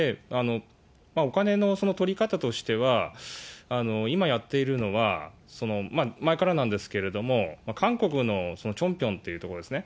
お金の取り方としては、今やっているのは、前からなんですけれども、韓国のチョンピョンっていう所ですね。